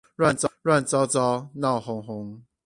亂糟糟鬧哄哄